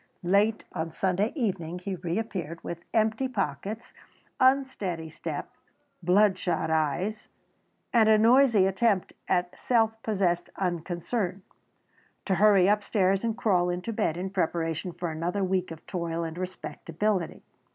Late on Sunday evening he re appeared, with empty pockets, unsteady step, blood shot eyes, and a noisy attempt at self possessed unconcern, to hurry upstairs and crawl into bed in preparation for another week of toil and respectability.